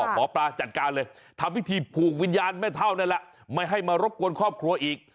หมอปลาจัดการเลยทำพิธีผูกวิญญาณแม่เท่านั้นแหละไม่ให้มารบกวนครอบครัวอีก